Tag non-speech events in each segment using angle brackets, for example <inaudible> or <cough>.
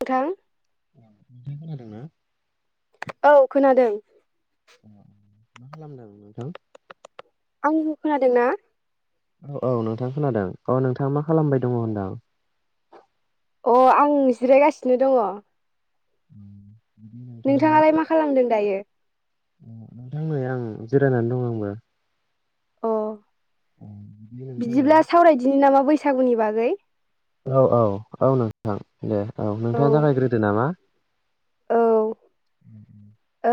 नोंथां <unintelligible> खोनादों ना औ खोनादों मा खालामदों नोंथां आंनिखौ खोनादों ना? औ औ नोंथां खोनादों औ नोंथाङा मा खालामबाय दंङो होनदां? अ आं जिरायगासिनो दंङो। <inaudible> नोंथांङालाय मा खालामदों दायो? नोंथां नै आं जिरायनानै दं आंबो अ बिदि नोंथाङा बिदिब्ला सावरायदिनो नामा बैसागुनि बागै। औ औ औ नोंथां दे औ नोंथाङा जागायग्रोदो नामा? औ <inaudible>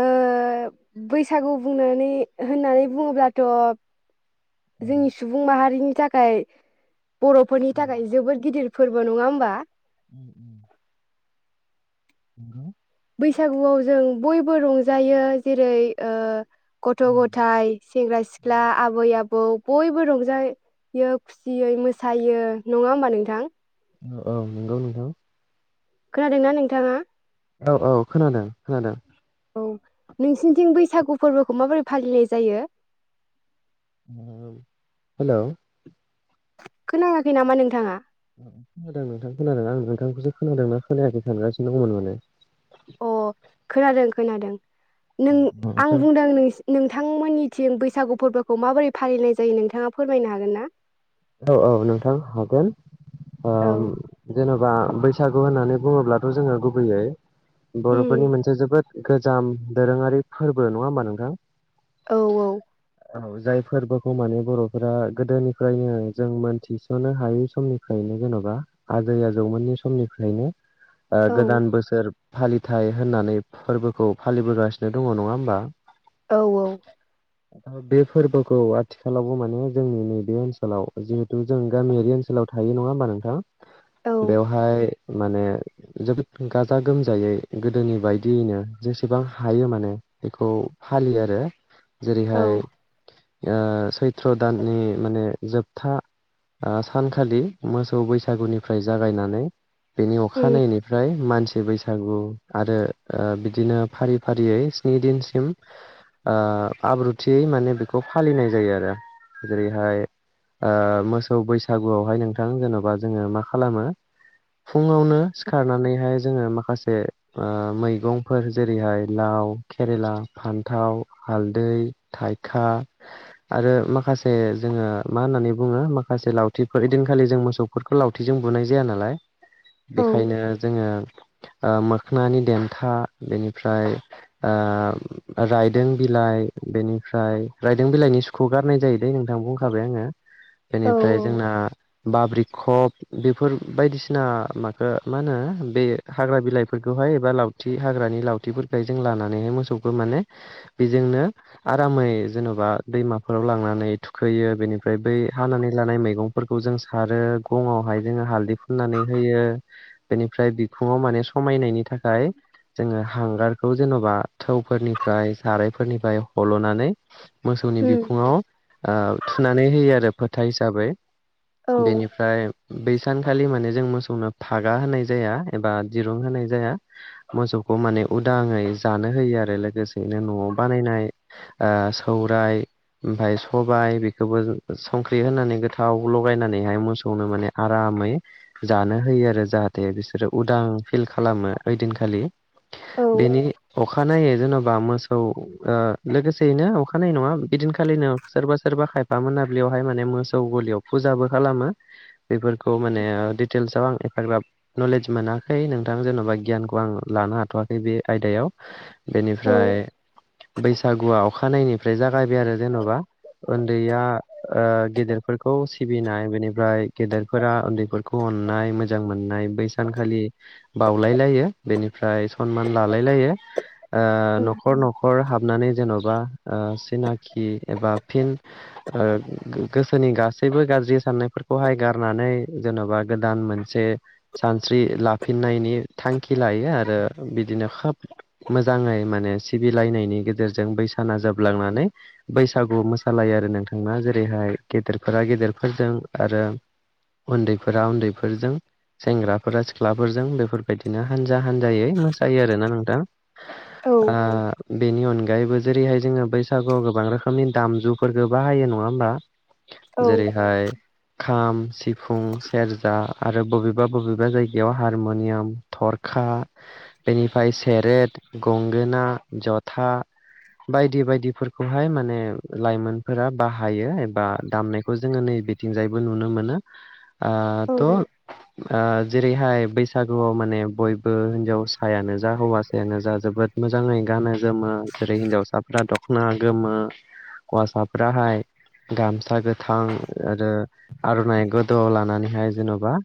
ओ ओ बैसागु बुंनानै होननानै बुङोब्लाथ' जोंनि सुबुं माहारिनि थाखाय बर'फोरनि थाखाय जोबोद गिदिर। फोरबो नंङा होनबा नों उम उम। नंगौ बैसागुआव जों बयबो रंजायो जेरै गथ' गथायाइ सेंग्रा सिख्ला आबै आबौ बयबो रंजा बियो खुसियै मोसायो नंङा होमबा नोंथां। औ नंगौ नोंथां। खोनादोंना नोंथांङा? औ औ खोनादों खोनादों। औ नोंसिनिथिं बैसागु फोरबोखौ माबोरै फालिनाय जायो। हेलौ। खोनाङाखै नामा नोंथांङा। खोनादों नोंथां खोनादों आं नोंथांखौसो खोनादों खोनायाखै सानांगासिनो दंमोन माने। अ खोनादों खोनादों नों आं औ बुंदों नों नोंथांमोननिथिं बैसागु फोरबोखौ माबोरै फालिनाय जायो नोंथांङा फोरमायनो हागोन ना? औ औ नोंथां हागोन। औ जेन'बा बैसागु होननानै बुङोब्लाथ' जोंङो गुबैयै बर'फोरनि उम मोनसे जोबोद। गोजाम दोरोंङारि फोरबो नंङा होनमा नोंथां। औ औ। औ जाय फोरबोखौ माने बर'फोरा गोदोनिफ्रायनो। जों मोनथिस'नो हायै समनिफ्रायनो जेन'बा आजै आजौमोननि समनिफ्रायनो। ओ औ गोदान बोसोर फालिथाय होननानै फोरबोखौ फालिबोगासिनो दङ नङा होमबा? औ औ। दा बे फोरबोखौ आथिखालावबो माने जोंनि नैबे ओनसोलाव। जिहेतु जों गामियारि ओनसोलाव थायो नङा होमबा नोंथाङा औ बेवहाय माने। जोबोद गो गाजा गोमजायै गोदोनि बायदियैनो जेसेबां हायो माने बेखौ फालियो आरो औ जेरैहाय ओ सैथ्र' दाननि माने जोब था ओ सानखालि मोसौ बैसागुनिफ्राय जागायनानै बेनि उम अखानायैनिफ्राय मानसि बैसागु आरो ओ बिदिनो फारि फारियै स्नि दिनसिम ओ आब्रुथियै माने बेखौ फालिनाय जायो आरो जेरैहाय ओ मोसौ बैसागुआवहाय नोंथां जेनबा जोङो मा खालामो। फुङावनो सिखारनानैहाय जोङो माखासे ओ मैगंफोर जेरैहाय लाव, केेरेला, फान्थाव, हालदै थाइखा आरो माखासे जोङो मा होननानै। बुङो माखासे लावथिफोर इदिनखालि जों मोसौफोरखौ लावथिजों बुनाय जाया नालाय। औ बेखायनो जोङो ओ मोखनानि देन्था बेनिफ्राय ओ रायदों बिलाइ बेनिफ्राय रायदों बिलाइनि सुखौ गारनाय जायो दैे नोंथां बुंखाबाय आङो। औ बेनिफ्राय जोंना बाब्रिखब बेफोर बायदिसिना माखो मा होनो बे हाग्रा बिलाइफोरखौहाय एबा लावथि हाग्रानि लावथिफोरखाय जों लानानैहाय मोसौखो माने बेजोंनो आरामै जेन'बा दैमाफोराव लांनानै थुखैयो बेनिफ फ्राय बै हानानै लानाय मैगंफोरखौ जों सारो गंआवहाय जोङो हालदै फुननानै होयो। बेनिफ्राय बिखुङाव माने समायनायनि थाखाय जोङो हांगारखौ जेन'बा थौफोरनिफ्राय सारायफोरनिफ्राय हल'नानै मोसौनि उम बिखुङाव ओ थु फैयो आरो फोथा हिसाबै औ बेनिफ्राय बैस सानखालि माने जों मोसौनो फागा होनाय जाया एबा दिरुं होनाय जाया। मोसौखौ माने उदाङै जानो होयो आरो लोगोसेयैनो न'आव बानायनाय ओ सौराइ ओमफाय सबाइ बिख खौबो जो संख्रि होनानै गोथाव लगायनानैहाय मोसौनो माने आरामै जानो होयो आरो जाहाथे बिसोरो उदां फिल खालामो ओइदिनखालि औ बेनि अखानायै जेन'बा मोसौ ओ लोगोसेयैनो अखानायै नङा बिदिनखालिनो सोरबा सोरबा खायफ फा मोनाबिलियावहाय माने मोसौ गलियाव फुजाबो खालामो। बेफोरखौ माने ओ डिटेल्सआव आं एफाग्राब नलेज मोनाखै नोंथां जेन'बा गियानखौ आं लानो हाथ'वाखै बे आयदायाव औ बेनिफ्राय बैसागुआ अखानायनिफ्राय जागायबाय आरो जेन'बा ओन दैआ ओ गेदेरफोरखौ सिबिनाय बेनिफ्राय गेदेरफोरा उन्दैफोर खौ अननाय मोजां मोननाय बै सानखालि बावलाय लायो बेनिफ्राय सनमान लालाय लायो। ओ औ न'खर न'खर हाबनानै जेन'बा ओ सिनाखि एबा फिन ओ गो गोसोनि गासैबो गाज्रि साननायफोरखौहाय गारनानै जेन'बा गोदान मोनस से सानस्रि लाफिननायनि थांखि लायो आरो बिदिनो खोब मोजाङै माने सिबिलायनायनि गेजेरजों बैसाना जोबलांनानै बैसागु मोस सालायो आरो नोंथांना जेरैहाय गेदेरफोरा गेदेरफोरजों आरो उन्दैफोरा उन्दैफोरजों सेंग्राफोरा सिख्लाफोरजों बेफोरबायदिनो हानजा हानजायै मोसायो आरोना नोंथां। औ ओ बेनि अनगायैबो जेरैहाय जोङो बैसागुआव गोबां रोखोमनि दामजु फोरखो बाहायो नङा होमबा? औ जेरैहाय खाम, सिफुं, सेरजा आरो बबेबा बबेबा जायगायाव हारम'नियाम थरखा बेनिफाय सेरेट, गंगोना, जथा बायदि बायदिफोरखौहाय माने लाइमोनफोरा बाहायो एबा दामनायखौ जोङो नै बिथिंजायबो नुनो मोनो। ओ औ थ' ओ जेरैहाय बैसागुआव माने बयबो हिनजावसायानो जा हौवासायानो जा जोबोद मोजाङै गानो जोमो जेरै हिन्जावसाफ्रा दख'ना गोमो हौवासाफ्रााहाय गामसा गोथां आरो आर'नाइ गोद'आव लानानैहाय जेन'बा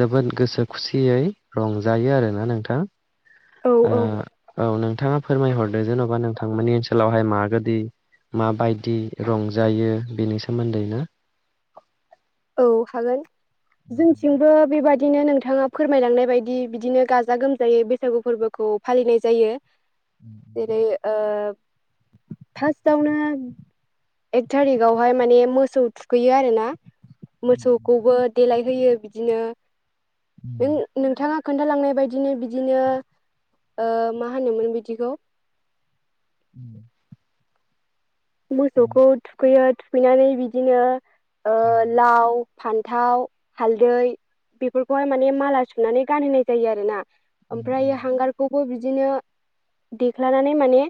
जोबोद गोसो खुसियै रंजायो आरोना नोंथां। औ ओ औ नोंथाङा फोरमायहरदो जेन'बा नोंथांमोनानि ओनसोलावहाय मागोदि माबायदि रंजायो बेनि सोमोन्दैनो औ हागोन जोंथिंबो बेबाद दिनो नोंथाङा फोरमायलांनाय बायदि बिदिनो गाजा गोमजायै बैसागु फोरबोखौ फालिनाय जायो। <inaudible> जेरै ओ फार्स्टआवनो एक थारिखावहाय माने मोसौ थुखैयो आरोना। मोसौखौबो देलायहोयो बिदिनो नों नोंथाङा खोन्थालांनाय बायदिनो बिदिनो ओ मा होनोमोन बिदिखौ? <inaudible> मोसौखौ थुखैयो थुखैनानै बिदिनो ओ लाव फान्थाव हालदै बेफोरखौहाय माने माला सुनानै गानहोनाय जायो आरोना। ओमफ्राय हांगारखौबो बिदिनो देख्लानानै माने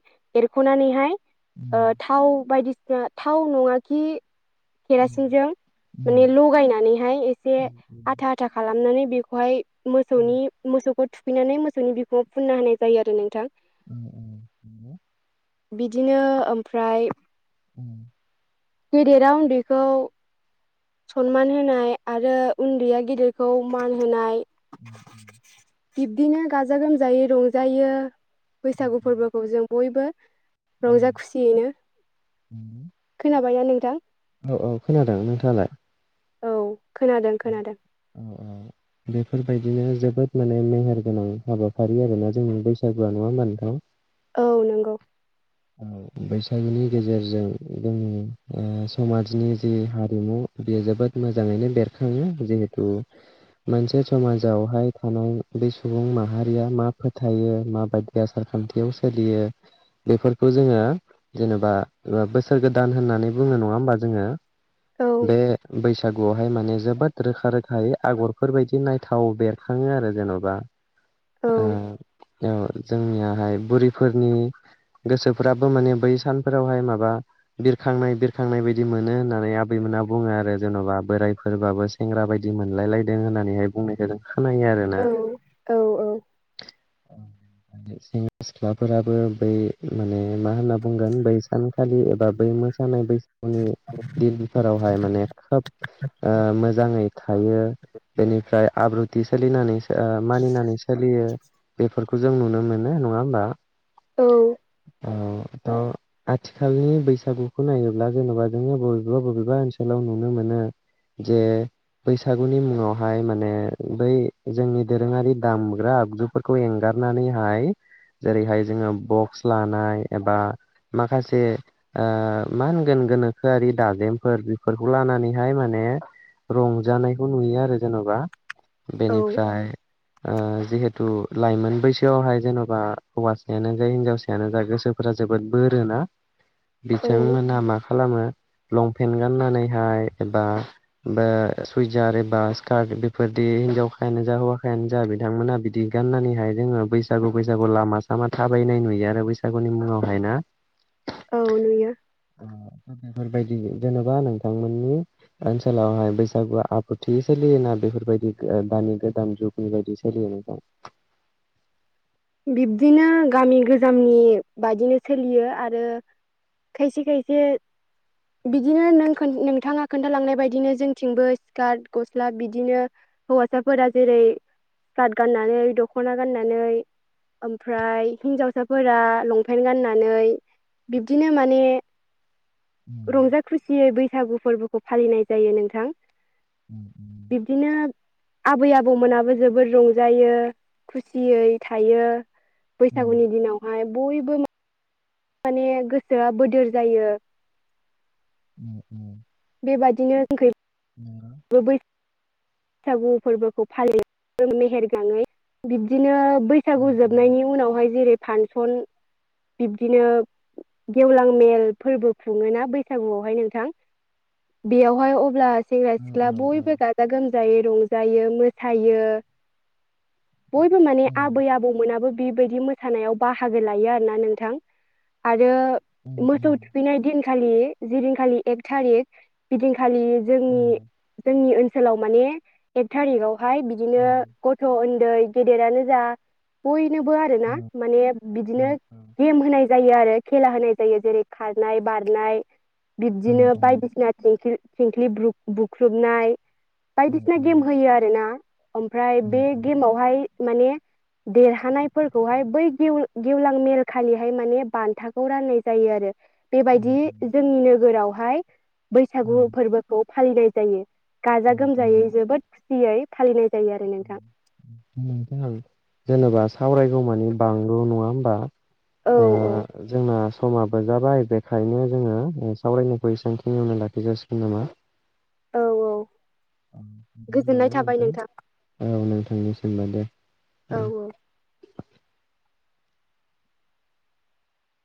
एरख'नानैहाय ओ उम। थाव बायदिसिना थाव नङा खि केरासिनजों माने लगायनानैहाय एसे आथा आथा खालामनानै बेखौहाय मोसौनि मोसौखौ थुखैनानै मोसौनि बिखुङाव फुनना होनाय जायो आरो नोंथां। उम उम नंगौ। बिदिनो ओमफ्राय उम। गेदेरा उन्दैखौ सनमान होनाय आरो उन्दैया गिदिरखौ मान होनाय। बिब्दिनो गाजा गोमजायै रंजायो। बैसागु फोरबोखौ जों बयबो रंजा खुसियैनो <inaudible> खोनाबायना नोंथां? औ औ खोनादों नोंथाङालाय? औ खोनादों खोनादों। औ औ। बेफोरबायदिनो जोबोद माने मेहेर गोनां हाबाफारि आरोना जोंनि बैसागुआ नङा होनबा नोंथां? औ नंगौ। औ बैसागुनि गेजेरजों जोंनि ओ समाजनि जि हारिमु बियो जोबोद मोजाङैनो बेरखाङो जिहेथु मोनसे समाजावहाय थानाय बे सुबुं माहारिया मा फोथायो माबायदि या आसार खान्थियाव सोलियो। बेफोरखौ जोङो जेनेबा ओ बोसोर गोदान होननानै बुंनो नङा होमबा जोङो? औ बे बैसाग गुआवहाय माने जोबोद रोखा रोखायै आगरफोर बायदि नायथाव बेरखाङो आरो जेन'बा। औ ओ औ जोंनियाहाय बुरिफोरनि गोसोफ्राबो माने बै सानफोरावहाय माबा बिरखांनाय बिरखांनाय बायदि मोनो होननानै आबैमोना बुङो आरो जेन'बा बोरायफोरबाबो सेंग्रा बायदि मोनलायलायदों होननानैहाय बुंनायखाय जों खोनायो आरो। औ औ औ। <inaudible> सेंग्रा सिख्लाफोराबो बै माने मा होनना बुंगोन बै सानखालि एबा बै मोसानाय बैसागुनि <unintelligible> फोरारावहाय माने खोब मोजाङै थायो। बेनिफ्राय आब्रुथि सोलिनानै ओ-मानिनानै सोलियो। बेफोरखौ जों नुनो मोनो, नङा होमबा। औ। औ थ' आथिखालनि बैसागुखौ नायोब्ला जेन'बा जोङो बबेबा बबेबा ओनसोलाव नुनो मोनो जे बैसागुनि मुंङावहाय माने बै जोंनि दोरोङारि दामग्रा आगजुफोर खौ एंगारनानैहाय जेरैहाय जोङो बक्स लानाय एबा माखासे ओ मा होनगोन गोनोखोआरि दाजेमफोर बेफोरखौ लानानैहाय माने रंजानायखौ नुयो आरो जेन'बा औ बेनिफ्राय ओ जिहेथु लाइमोन बैसोआवहाय जेन'बा हौवासायानो जा हिनजाव नो जा गोसोफोरा जोबोद बोरोना, औ बिथांमोना मा खालामो, लंपेन्ट गाननानैहाय बा बा सुइजार एबा स्कार्ट बेफोरदि हिनजावखायानो जा हौवायानो जा बिथांमोना बिदि गाननानैहाय जोङो बैसागु बैसागु लामा सामा थाबायनाय नुयो रो बैसागुनि मुङावहाय ना। औ नुयो। <unintelligible> बेफोरबायदि जेनेबा नोंथांमोननि ओनसोलावहाय बैसागुवा आब्रुथियै सोलियोना बेफोरबायदि दानि गोदान जुगनि बायदि सोलियो नोंथां। बिब्दिनो गामि गोजामनि बादिनो सोलियो आरो खायसे खायसे बिदिनो नों खो नोंथाङा खोन्थालांनाय बायदिनो जोंथिंबो स्कार्ट गस्ला बिदिनो हौवासाफोरा जेरै स्कार्ट गाननानै दख'ना गाननानै ओमफ्राय हिन्जावसाफोरा लंपेन्ट गाननानै बिब्दिनो माने रंजा खुसियै बैसागु फोरबोखौ फालिनाय जायो नोंथां। बिब्दिनो आबै आबौमोनाबो जोबोर रंजायो, खुसियै थायो, बैसागुनि दिनावहाय बयबो म माने गोसोआ बोदोर जायो। <inaudible> बेबायाददिनो <unintelligible> <unintelligible> <unintelligible> बैसागु फोरबोखौ फालियो मेहेर गोनाङै। बिब्दिनो बैसागु जोबनायनि उनावहाय जेरै फांसन बिब्दिनो गेवलां मेल फोरबो खुङोना बैसागुआवहाय नोंथां। बेयावहाय अब्ला सेंग्रा सिख्ला बयबो गाजा गोम जायै रंजायो मोसायो। <unintelligible> बयबो माने आबै आबौमोनाबो बेबायदि मोसानायाव बाहागो लायो आरोना नोंथां। आरो मोसौ थुखैनाय दिनखालि जि दिनखालि एक थारिख बिदिनखालि जोंनि जोंनि ओनसोलाव माने एक थारिगावहाय बिदिनो गथ' उन्दै गेदेरानो जा बयनोबो आरो ना माने बिदिनो गेम होनाय जायो आरो खेला होनाय जायो जेरै खारनाय बारनाय बिबदिनो बायदिसिना थिंख्लि बुख्रुबनाय बायदिसिना गेम होयो आरोना ओमफ्राय बे गेमावहाय माने देरहानायफोरखौहाय बै गेव गेवलां मेल खालिहाय माने बान्थाखौ राननाय जायो आरो। बेबायदि जोंनि नोगोरावहाय बैसागु फोरबोखौ फालिनाय जायो गा गोमजायै जोबोद खुसियै फालिनाय जायो आरो नोंथां। <unintelligible> जेनेबा सावरायगौमानि <unintelligible> नङा होमबा। औ औ ओ जोंना समाबो जाबाय बेखायनो जोङो सावरायनायखौ एसांखिनियावनो लाखिजासिगोन नामा औ औ गोजोननाय थाबाय नोंथां। औ नोंथांनिसिमबो दे। औ औ औ